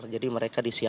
jadi mereka disiapkan